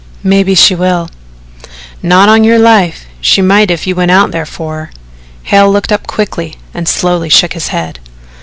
"Maybe she will." "Not on your life. She might if you went out there for her." Hale looked up quickly and slowly shook his head.